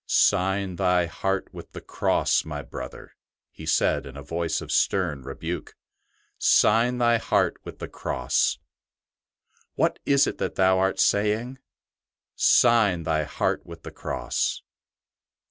'' Sign thy heart with the Cross, my brother," he said in a voice of stern rebuke, '* sign thy heart with the Cross; what is it that thou art 84 ST. BENEDICT saying ? Sign thy heart with the Cross."